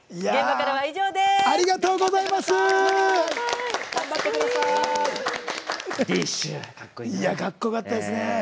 かっこよかったですね。